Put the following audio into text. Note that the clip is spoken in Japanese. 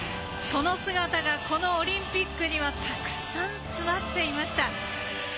その姿が、このオリンピックにはたくさん詰まっていました。